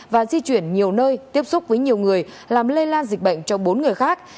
và di chuyển nhiều nơi tiếp xúc với nhiều người làm lây lan dịch bệnh cho bốn người khác